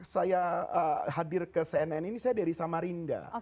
saya hadir ke cnn ini saya dari samarinda